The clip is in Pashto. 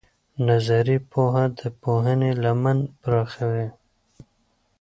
نظري پوهه د پوهنې لمن پراخوي.